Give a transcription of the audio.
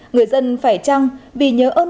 người dân phải trăng vì những điều không đúng